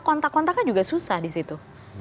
kontak kontaknya juga susah di situ